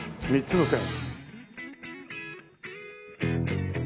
３つの点。